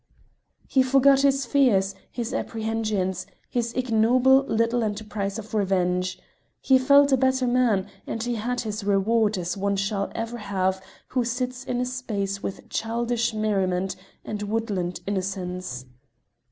He forgot his fears, his apprehensions, his ignoble little emprise of revenge; he felt a better man, and he had his reward as one shall ever have who sits a space with childish merriment and woodland innocence.